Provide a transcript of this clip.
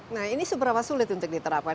nah ini seberapa sulit untuk diterapkan